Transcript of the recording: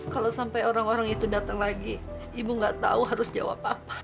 kalau sampai orang orang itu datang lagi ibu nggak tahu harus jawab apa